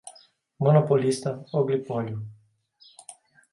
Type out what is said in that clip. Monopolista, oligopólio